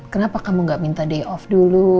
kenapa kamu gak minta day off dulu